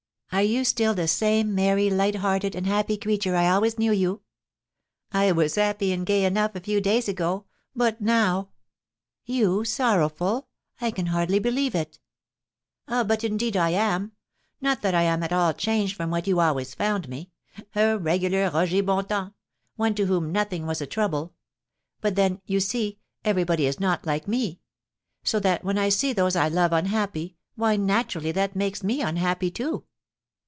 "Are you still the same merry, light hearted, and happy creature I always knew you?" "I was happy and gay enough a few days ago; but now " "You sorrowful? I can hardly believe it." "Ah, but indeed I am! Not that I am at all changed from what you always found me, a regular Roger Bontemps, one to whom nothing was a trouble. But then, you see, everybody is not like me; so that, when I see those I love unhappy, why, naturally, that makes me unhappy, too."